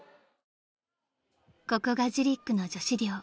［ここがジリックの女子寮］